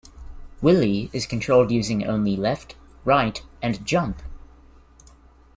Willy is controlled using only left, right and jump.